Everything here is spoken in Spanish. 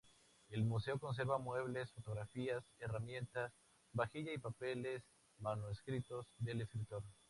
El museo conserva muebles, fotografías, herramientas, vajilla y papeles manuscritos del escritor.